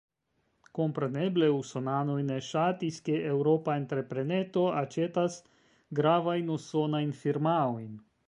Kompreneble usonanoj ne ŝatis, ke eŭropa entrepreneto aĉetas gravajn usonajn firmaojn.